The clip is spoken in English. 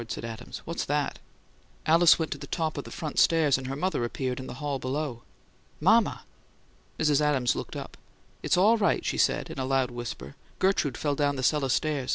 said Adams. "What's that?" Alice went to the top of the front stairs, and her mother appeared in the hall below. "Mama!" Mrs. Adams looked up. "It's all right," she said, in a loud whisper. "Gertrude fell down the cellar stairs.